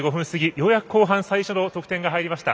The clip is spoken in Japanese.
ようやく後半最初の得点が入りました。